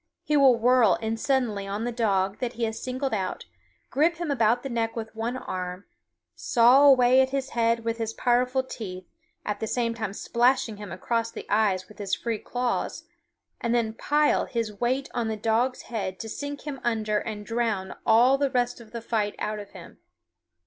He will whirl in suddenly on the dog that he has singled out, grip him about the neck with one arm, saw away at his head with his powerful teeth, at the same time slashing him across the eyes with his free claws, and then pile his weight on the dog's head to sink him under and drown all the rest of the fight out of him.